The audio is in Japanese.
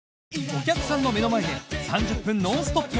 お客さんの目の前で３０分ノンストップ！